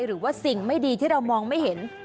หรือว่าสิ่งไม่ดีที่เรามองไม่เห็น